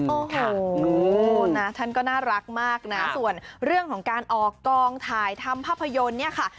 โอ้โหนะท่านก็น่ารักมากนะส่วนเรื่องของการออกกองถ่ายทำภาพยนตร์เนี่ยค่ะ